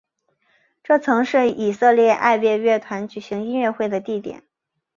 这曾是以色列爱乐乐团举行音乐会的地点。